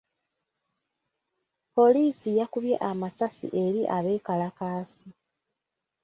Poliisi yakubye amasasi eri abeekalakaasi.